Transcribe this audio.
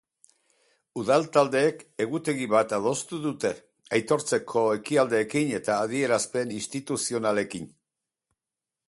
Udal taldeek egutegi bat adostu dute, aitortzeko ekitaldiekin eta adierazpen instituzionalekin.